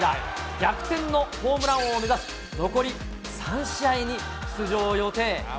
逆転のホームラン王を目指す、残り３試合に出場予定。